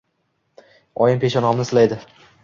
Oyim peshonamni silaydi.